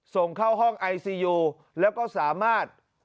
ส่งเข้าห้องไอซียูแล้วก็สามารถ